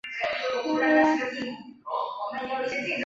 鸯输伐摩塔库里王朝国王。